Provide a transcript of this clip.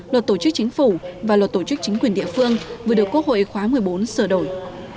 luật tổ chức chính phủ và luật tổ chức chính quyền địa phương vừa được quốc hội khóa một mươi bốn sửa đổi